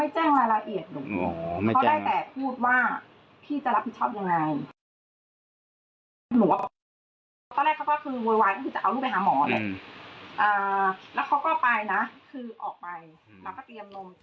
จำเป็นแบบนางทันที